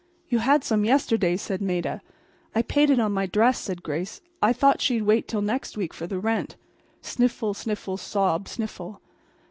"You had some yesterday," said Maida. "I paid it on my dress," said Grace. "I thought she'd wait till next week for the rent." Sniffle, sniffle, sob, sniffle.